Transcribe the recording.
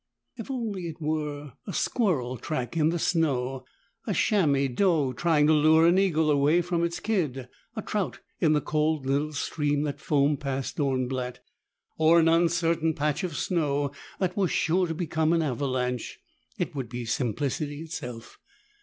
If only it were a squirrel track in the snow, a chamois doe trying to lure an eagle away from its kid, a trout in the cold little stream that foamed past Dornblatt, or an uncertain patch of snow that was sure to become an avalanche, it would be simplicity itself.